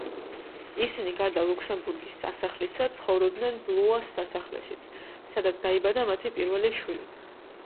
ისინი გარდა ლუქსემბურგის სასახლისა, ცხოვრობდნენ ბლუას სასახლეშიც, სადაც დაიბადა მათი პირველი შვილი.